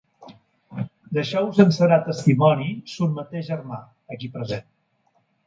D'això us en serà testimoni son mateix germà, aquí present.